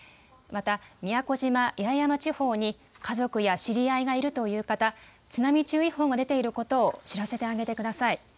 また宮古島・八重山地方に家族や知り合いがいるという方津波注意報が出ていることを知らせてあげてください。